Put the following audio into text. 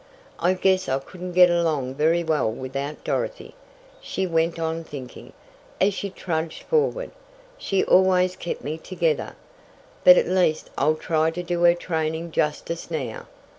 "I guess I couldn't get along very well without Dorothy," she went on thinking, as she trudged forward. "She always kept me together. But at least I'll try to do her training justice now.